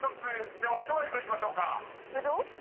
では磯貝さんいきましょうか］